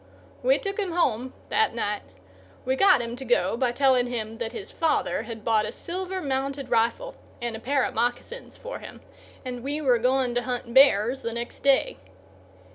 We took him home that night. We got him to go by telling him that his father had bought a silver mounted rifle and a pair of moccasins for him, and we were going to hunt bears the next day.